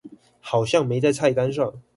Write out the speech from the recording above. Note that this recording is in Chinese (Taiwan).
好像沒在菜單上